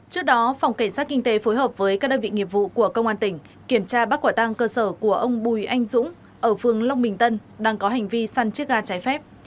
trước đó phòng cảnh sát kinh tế phối hợp với các đơn vị nghiệp vụ của công an tỉnh kiểm tra bác quả tăng cơ sở của ông bùi anh dũng ở phường long bình tân đang có hành vi săn chiếc gà trái phép